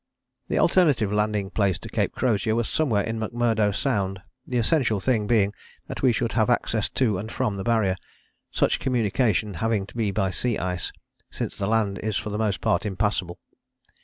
The alternative landing place to Cape Crozier was somewhere in McMurdo Sound, the essential thing being that we should have access to and from the Barrier, such communication having to be by sea ice, since the land is for the most part impassable.